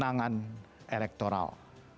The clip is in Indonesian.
dan juga kemenangan elektoral